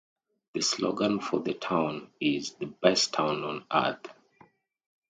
The slogan for the town is "The best town on earth".